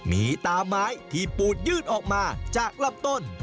มีตาไม้ที่ปูดยื่นออกมาจากลำต้น